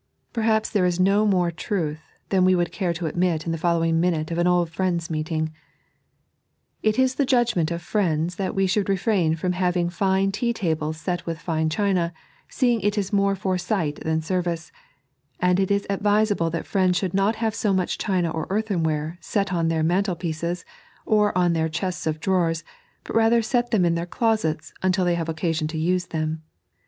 Perhaps there is mora truth tlian we would care to tidmit in the following minute of an old Friends' meeting : "It is the judgment of Friendg that we should rafrain from having fine tea tables set with fine china, seeing it is mora for eight than service, and it's advised that Friends should not have so much china or earthenwara sett on their mantelpieces or on their chests of drawers, but rather sett them in their closets until they have occaaon to use tiiem.